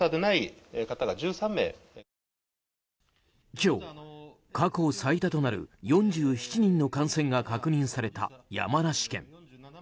今日、過去最多となる４７人の感染が確認された山梨県。